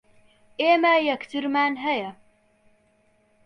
ئێمە یەکترمان ھەیە.